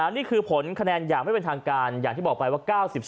นี่คือผลคะแนนอย่างไม่เป็นทางการอย่างที่บอกไปว่า๙๒